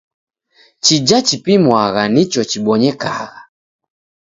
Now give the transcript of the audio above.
Chija chipimwagha nicho chibonyekagha.